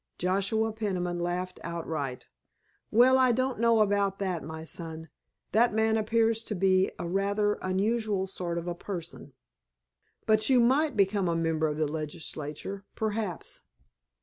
Joshua Peniman laughed outright. "Well, I don't know about that, my son. That man appears to me to be a rather unusual sort of a person. But you might become a member of the legislature, perhaps."